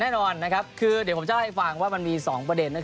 แน่นอนนะครับคือเดี๋ยวผมจะเล่าให้ฟังว่ามันมี๒ประเด็น